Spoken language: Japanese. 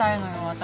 私。